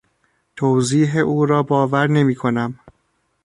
توضیح او را باور نمیکنم.